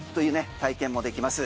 体験もできます。